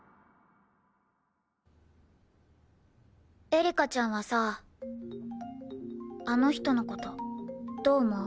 エリカちゃんはさあの人の事どう思う？